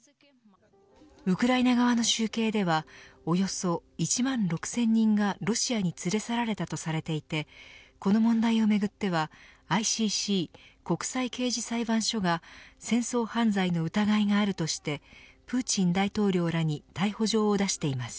ウクライナ側の集計ではおよそ１万６０００人がロシアに連れ去られたとされていてこの問題をめぐってはＩＣＣ国際刑事裁判所が戦争犯罪の疑いがあるとしてプーチン大統領らに逮捕状を出しています。